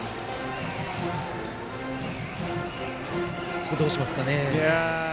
ここはどうしますかね。